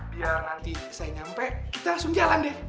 biar nanti saya nyampe kita langsung jalan deh